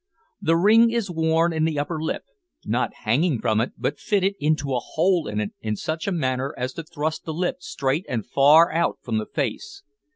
The ring is worn in the upper lip, not hanging from it but fitted into a hole in it in such a manner as to thrust the lip straight and far out from the face.